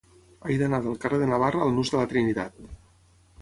He d'anar del carrer de Navarra al nus de la Trinitat.